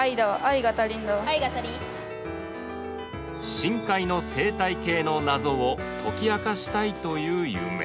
深海の生態系の謎を解き明かしたいという夢